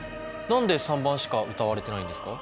何で３番しか歌われてないんですか？